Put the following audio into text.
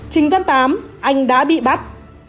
trình văn tám anh đã bị bắt